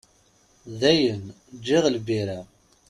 Dayen, ǧǧiɣ lbira.